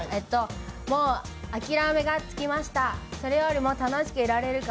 もう諦めがつきました。